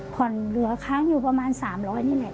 เหลือค้างอยู่ประมาณ๓๐๐นี่แหละ